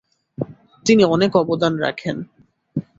তিনি অনেক অবদান রাখেন।